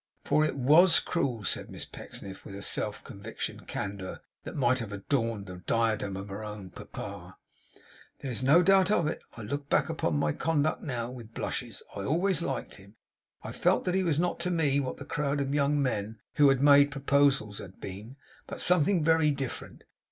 For it WAS cruel,' said Miss Pecksniff, with a self conviction candour that might have adorned the diadem of her own papa. 'There is no doubt of it. I look back upon my conduct now with blushes. I always liked him. I felt that he was not to me what the crowd of young men who had made proposals had been, but something very different.